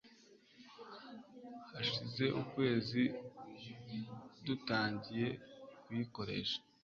Hashize ukwezi dutangiye kuyikoresha